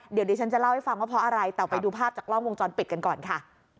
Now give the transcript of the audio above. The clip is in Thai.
เดี๋ยวดิฉันจะเล่าให้ฟังว่าเพราะอะไรแต่ไปดูภาพจากกล้องวงจรปิดกันก่อนค่ะ